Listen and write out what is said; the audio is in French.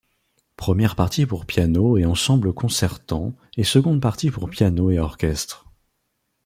Première partie pour piano et ensemble concertant et seconde partie pour piano et orchestre.